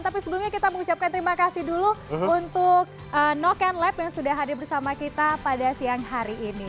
tapi sebelumnya kita mengucapkan terima kasih dulu untuk noken lab yang sudah hadir bersama kita pada siang hari ini